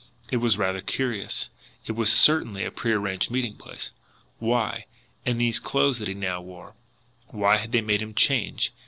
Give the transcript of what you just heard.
It was rather curious. It was certainly a prearranged meeting place. Why? And these clothes that he now wore why had they made him change?